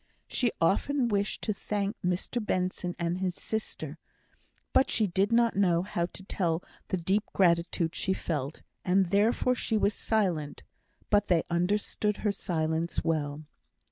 She often wished to thank Mr Benson and his sister, but she did not know how to tell the deep gratitude she felt, and therefore she was silent. But they understood her silence well.